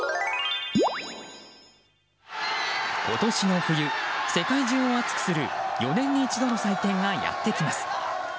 今年の冬、世界中を熱くする４年に一度の祭典がやってきます。